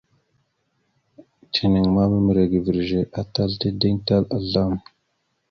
Tinaŋ ma miməre ga virəze, atal tideŋ tal azlam.